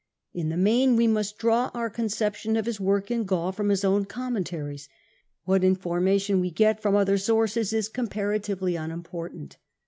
In the main we must draw our conception of his work in Gaul from his own Commentaries ; what in formation we get from other sources is comparatively unimportant.